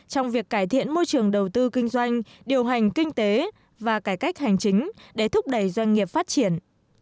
trong việc cải thiện môi trường đầu tư kinh doanh điều hành kinh tế và cải cách hành chính để thúc đẩy doanh nghiệp phát triển